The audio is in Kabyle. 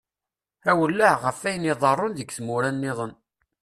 Awelleh ɣef ayen iḍeṛṛun deg tmura nniḍen.